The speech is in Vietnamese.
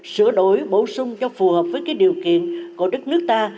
sửa đổi bổ sung cho phù hợp với điều kiện của đất nước ta